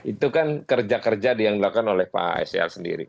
itu kan kerja kerja yang dilakukan oleh pak sel sendiri